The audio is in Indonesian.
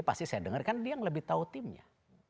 pasti saya dengar kan dia yang lebih tahu timnya